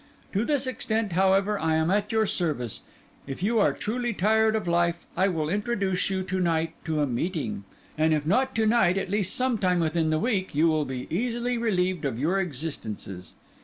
To this extent, however, I am at your service. If you are truly tired of life, I will introduce you to night to a meeting; and if not to night, at least some time within the week, you will be easily relieved of your existences.